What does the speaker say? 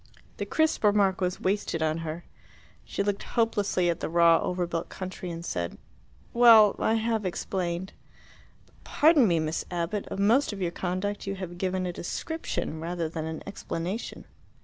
The crisp remark was wasted on her. She looked hopelessly at the raw over built country, and said, "Well, I have explained." "But pardon me, Miss Abbott; of most of your conduct you have given a description rather than an explanation."